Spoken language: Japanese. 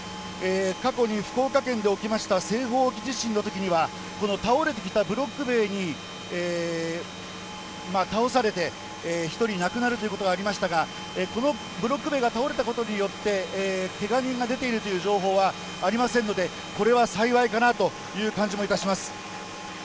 過去に福岡県で起きました西方沖地震のときでは、この倒れてきたブロック塀に倒されて、１人亡くなるということがありましたが、このブロック塀が倒れたことによって、けが人が出ているという情報はありませんので、これは幸いかなという感じもいたします。